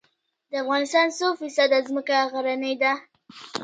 د افغانستان څو فیصده ځمکه غرنۍ ده؟